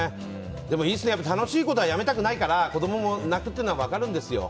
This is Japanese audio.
でも、いつになっても楽しいことはやめたくないから子供も泣くというのは分かるんですよ。